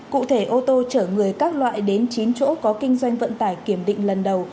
cụ thể ô tô chở người các loại đến chín chỗ có kinh doanh vận tải kiểm định lần đầu